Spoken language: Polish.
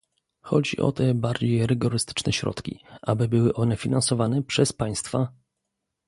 Chodzi o te bardziej rygorystyczne środki, aby były one finansowane przez państwa